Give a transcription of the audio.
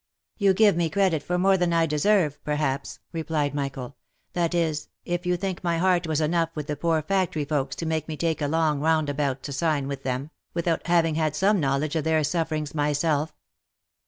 " You give me credit for more than I deserve, perhaps," replied Michael ;" that is, if you think my heart was enough with the poor factory folks to make me take a long roundabout to sign with them, without having had some knowledge of their sufferings myself.